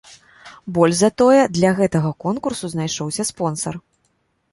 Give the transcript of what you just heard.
Больш за тое, для гэтага конкурсу знайшоўся спонсар.